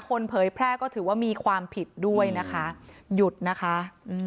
เผยแพร่ก็ถือว่ามีความผิดด้วยนะคะหยุดนะคะอืม